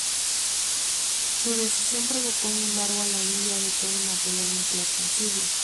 Su decisión provocó un embargo a la India de todo material nuclear sensible.